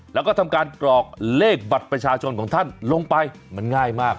แล้วก็ทำการกรอกเลขบัตรประชาชนของท่านลงไปมันง่ายมาก